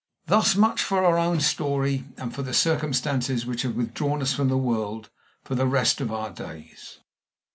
Thus much for our own story, and for the circumstances which have withdrawn us from the world for the rest of our days.